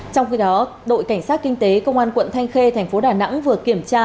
trong khi đó đội cảnh sát kinh tế công an quận thanh khê thành phố đà nẵng vừa kiểm tra